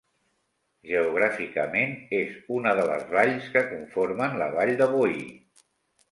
Geogràficament és una de les valls que conformen la Vall de Boí.